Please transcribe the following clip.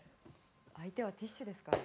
相手はティッシュですからね。